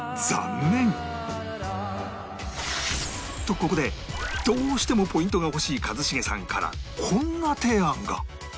ここでどうしてもポイントが欲しい一茂さんからこんな提案が！